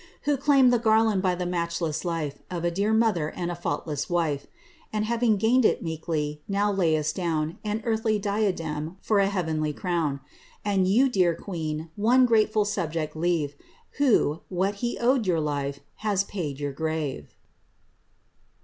Who claimed the garland by the matchless lifo, Of a dear mother and a faultless wife; And having gained it, meekly, now layest down An earthly diadem for a heavenly crown ; And you, dear queen, one grateful subject leaTe« Who, what he owed your life, has paid your grave!"